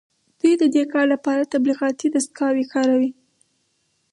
دوی د دې کار لپاره تبلیغاتي دستګاوې کاروي